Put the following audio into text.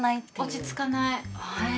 落ち着かないえ